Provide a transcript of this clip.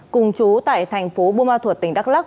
cùng chú tại thành phố buôn ma thuật tỉnh đắk lắc